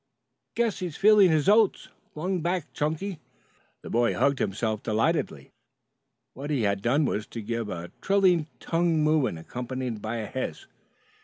"Guess he's feeling his oats," flung back Chunky. The boy hugged himself delightedly. What he had done was to give a trilling tongue movement accompanied by a hiss.